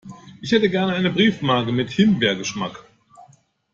Ich hätte gern eine Briefmarke mit Himbeergeschmack.